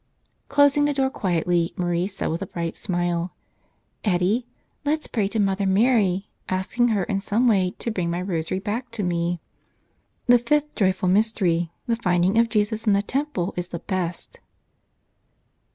Closing the door quietly, Marie said with a bright smile: "Eddie, let's pray to Mother Mary, asking her in some way to bring my rosary back to me. The fifth joyful mystery, The Finding of Jesus in the Temple, is the best."